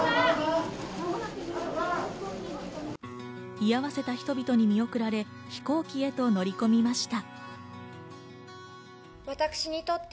居合わせた人々に見送られ飛行機へと乗り込みました。